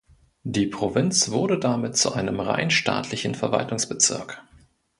Die Provinz wurde damit zu einem rein staatlichen Verwaltungsbezirk.